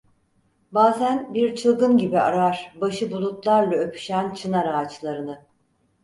Bazen bir çılgın gibi arar başı bulutlarla öpüşen çınar ağaçlarını…